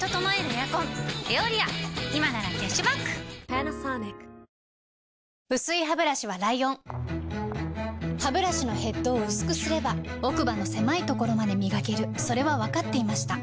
おーっ薄いハブラシはライオンハブラシのヘッドを薄くすれば奥歯の狭いところまで磨けるそれは分かっていました